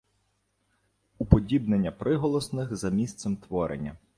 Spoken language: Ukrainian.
Уподібнення приголосних за місцем творення